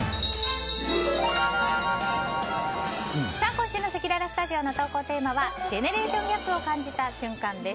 今週のせきららスタジオの投稿テーマはジェネレーションギャップを感じた瞬間です。